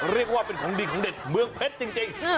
เรียกว่าเป็นของดินกับเด็กเมืองเผ็ดจริง